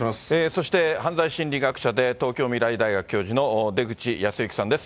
そして、犯罪心理学者で、東京未来大学教授の出口保行さんです。